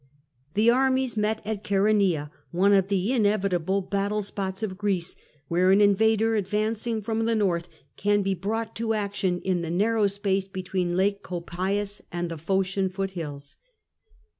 The armies met at Ohaeronea, one of the inevitable battle spots of Greece, where an invader advancing from the north can be brought to action in the narrow space between Lake Copais and the Phocian foot hills.